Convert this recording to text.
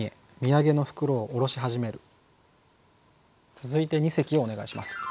続いて二席お願いします。